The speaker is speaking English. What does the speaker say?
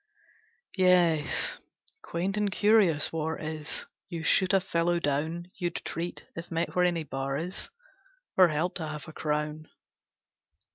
'Yes; quaint and curious war is! You shoot a fellow down You'd treat, if met where any bar is, Or help to half a crown.'